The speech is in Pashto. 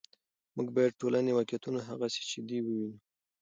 موږ باید د ټولنې واقعیتونه هغسې چې دي ووینو.